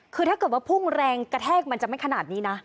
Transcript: คือถ้าเกิดว่าพุ่งแรงกระแทกมันจะไม่ขนาดนี้นะ